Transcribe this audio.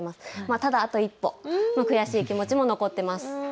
ただあと一歩悔しい気持ちも残っています。